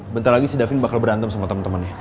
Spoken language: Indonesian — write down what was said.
bentar lagi si dapin bakal berantem sama temen temennya